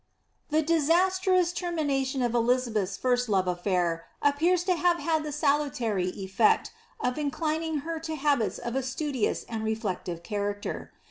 The disastrous termination of Elizabeth ^s first love af&ir, appears to have had the salutary efTect of inclining her to habits of a studious and reflective character.